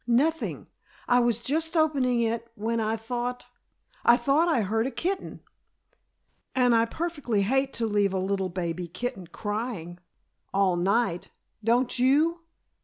"Nothing. I was just opening it when I thought I thought I heard a kitten. And I perfectly hate to leave a little baby kitten crying all night. Don't you?"